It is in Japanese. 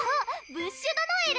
ブッシュドノエル！